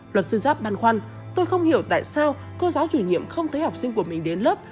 luật sư giáp băn khoăn tôi không hiểu tại sao cô giáo chủ nhiệm không thấy học sinh của mình đến lớp